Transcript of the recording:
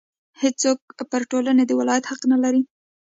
هېڅوک پر ټولنې د ولایت حق نه لري.